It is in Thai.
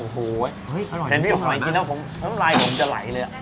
อร่อยจริงแล้วผมน้ำลายผมจะไหลเลย